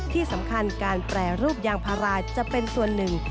ที่สำคัญการแปรรูปยางพาราจะเป็นส่วนหนึ่ง